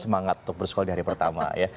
semangat untuk bersekolah di hari pertama ya